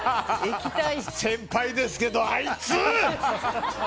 先輩ですけど、あいつ！